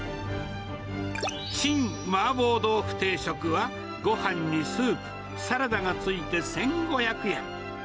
陳麻婆豆腐定食は、ごはんにスープ、サラダがついて１５００円。